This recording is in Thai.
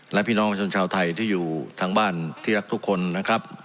และพี่น้องประชาชนชาวไทยที่อยู่ทางบ้านที่รักทุกคนนะครับ